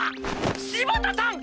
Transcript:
柴田さん！